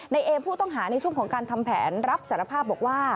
เอมผู้ต้องหาในช่วงของการทำแผนรับสารภาพบอกว่า